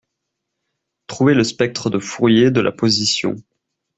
Trouvez le spectre de Fourier de la position